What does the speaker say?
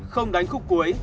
không đánh khúc cổ